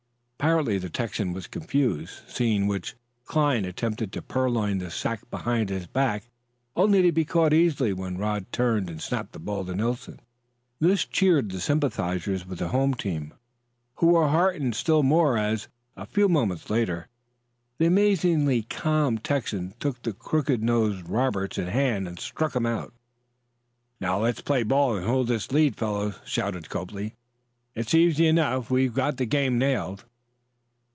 Apparently the Texan was confused, seeing which, Cline attempted to purloin the sack behind his back, only to be caught easily when Rod turned and snapped the ball to Nelson. This cheered the sympathizers with the home team, who were heartened still more as, a few moments later, the amazingly calm Texan took the crooked nosed Roberts in hand and struck him out. "Now, let's play ball and hold this lead, fellows," shouted Copley. "It's easy enough. We've got the game nailed."